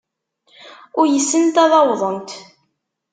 Uysent ad awḍent.